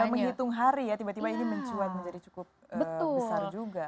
menghitung hari ya tiba tiba ini mencuat menjadi cukup besar juga